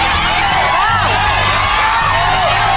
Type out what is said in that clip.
ขอบคุณครับ